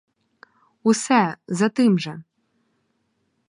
Усе, за тим же!